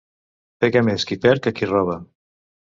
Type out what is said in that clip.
Peca més qui perd que qui roba.